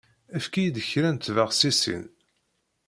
Efk-iyi-d kra n tbexsisin.